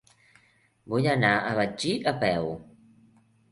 Vull anar a Betxí a peu.